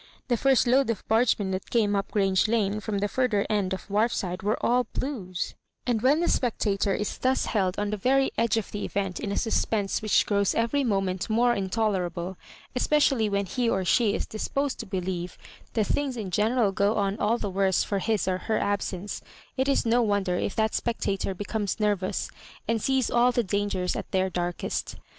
The first load of barge men that came up Grange Lane from ^e further end of Whar&ide were aU Blues ; and when a spectator is thus held on the very edge of the event in a suspense which grows every moment more intolerable, especially when he or she is disposed to believe that things in general go on all the worse foe his or her absence, it is no wonder if that spectator becomes nervous, and sees all the dangers at their darkest.